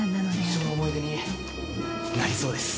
一生の思い出になりそうです。